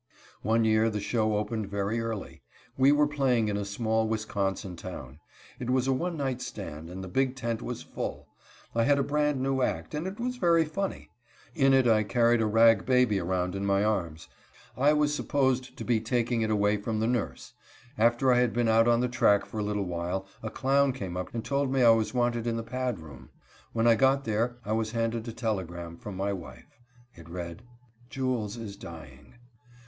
One year the show opened very early. We were playing in a small Wisconsin town. It was a one night stand, and the big tent was full. I had a brand new act, and it was very funny. In it I carried a rag baby around in my arms. I was supposed to be taking it away from the nurse. After I had been out on the track for a little while, a clown came up and told me I was wanted in the pad room. When I got there I was handed a telegram from my wife. It read: "Jules is dying."